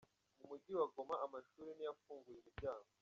Mu mugi wa Goma amashuri ntiyafunguye imiryango.